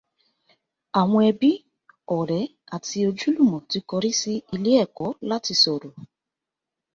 Àwọn ẹbí, ọ̀rẹ́ àti ojúlùmọ̀ ti kọrí sí ilé ẹ̀kọ́ láti sọ̀rọ̀